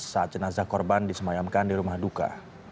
saat jenazah korban disemayamkan di rumah duka